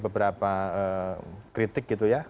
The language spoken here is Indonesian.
beberapa kritik gitu ya